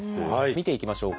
見ていきましょう。